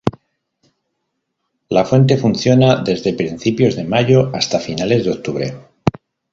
La Fuente funciona desde principios de mayo hasta finales de octubre.